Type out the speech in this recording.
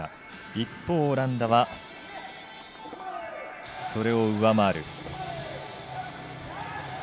一方、オランダはそれを上回る。